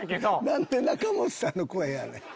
何で仲本さんの声やねん。